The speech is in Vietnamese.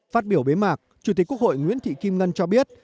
phát biểu bế mạc chủ tịch quốc hội nguyễn thị kim ngân cho biết